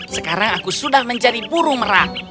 sekarang aku sudah menjadi burung merah